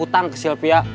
utang ke silvia